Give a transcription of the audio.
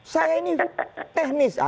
saya ini teknis